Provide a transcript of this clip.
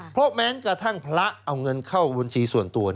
เพราะแม้กระทั่งพระเอาเงินเข้าบัญชีส่วนตัว